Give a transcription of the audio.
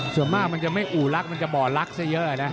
ส่วนมากจะไม่มักอุลักษณ์มันจะบ่อลักษณ์ซะเยอะนะคะ